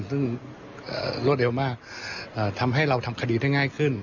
ซึ่งรวดเร็วมากทำให้เราทำคดีได้ง่ายขึ้น